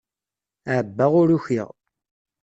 Ɛebbaɣ ur ukiɣ.